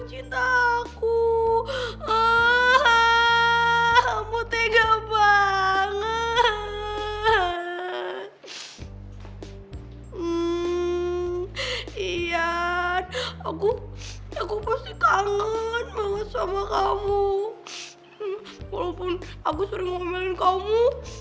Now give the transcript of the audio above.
walaupun aku sering ngomelin kamu